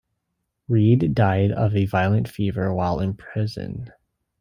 Read died of a violent fever while in prison.